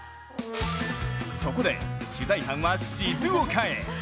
そこで取材班は、静岡へ。